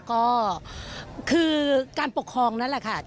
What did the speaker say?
ก็คือการปกครองนั่นแหละค่ะ